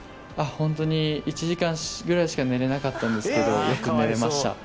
本当に１時間ぐらいしか寝れなかったんですけど良く寝れました。